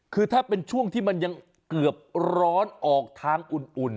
คือถ้าเป็นช่วงที่มันยังเกือบร้อนออกทางอุ่น